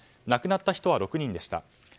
亡くなった人は６人でした。